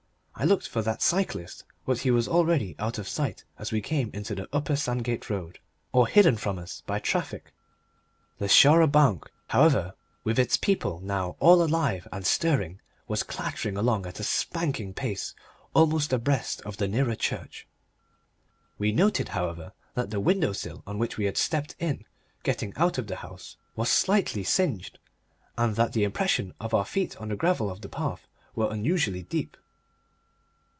I looked for that cyclist, but he was already out of sight as we came into the Upper Sandgate Road or hidden from us by traffic; the char a banc, however, with its people now all alive and stirring, was clattering along at a spanking pace almost abreast of the nearer church. We noted, however, that the window sill on which we had stepped in getting out of the house was slightly singed, and that the impressions of our feet on the gravel of the path were unusually deep.